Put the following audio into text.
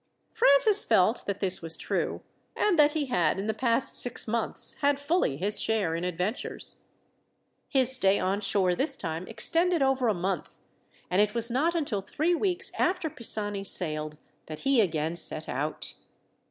Francis felt that this was true, and that he had in the past six months had fully his share in adventures. His stay on shore this time extended over a month, and it was not until three weeks after Pisani sailed that he again set out.